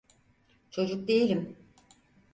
Çocuk değilim…